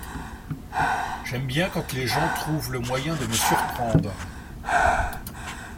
J’aime bien quand les gens trouvent toujours le moyen de me surprendre.